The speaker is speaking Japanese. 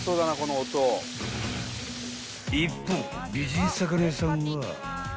［一方美人魚屋さんは］